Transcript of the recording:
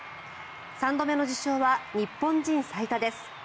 ３度目の受賞は日本人最多です。